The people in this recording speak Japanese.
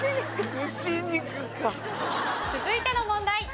続いての問題。